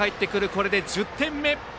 これで１０点目。